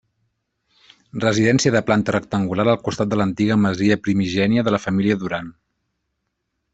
Residència de planta rectangular al costat de l'antiga masia primigènia de la família Duran.